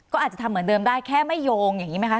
ก็อาจจะทำเหมือนเดิมได้แค่ไม่โยงอย่างนี้ไหมคะ